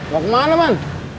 lo kemana man